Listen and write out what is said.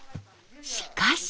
しかし。